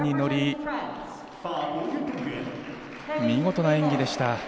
見事な演技でした。